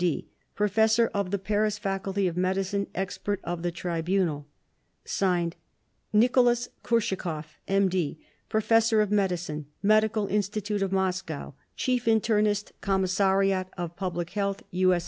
D., Professor of the Paris Faculty of Medicine, Expert of the Tribunal /s/ NICOLAS KURSHAKOV M.D., Professor of Medicine, Medical Institute of Moscow, Chief Internist, Commissariat of Public Health U.